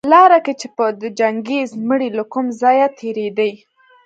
لاره کي چي به د چنګېز مړى له کوم ځايه تېرېدى